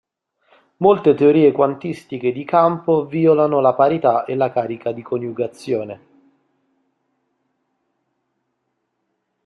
Molte teorie quantistiche di campo violano la parità e la carica di coniugazione.